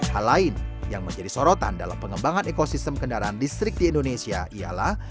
hal lain yang menjadi sorotan dalam pengembangan ekosistem kendaraan listrik di indonesia ialah